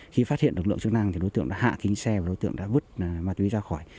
khi phát hiện lực lượng chức năng thì đối tượng đã hạ kính xe và đối tượng đã vứt ma túy ra khỏi